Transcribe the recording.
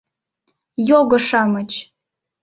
Його-шамыч!